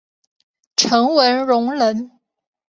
陈文龙人。